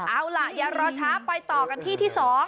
เอาล่ะอย่ารอช้าไปต่อกันที่ที่๒